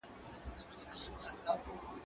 زه اوږده وخت تمرين کوم!؟